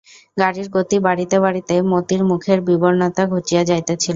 গাড়ির গতি বাড়িতে বাড়িতে মতির মুখের বিবর্ণতা ঘুচিয়া যাইতেছিল।